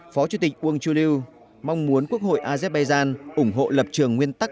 phó chủ tịch uung chuliu mong muốn quốc hội azerbaijan ủng hộ lập trường nguyên tắc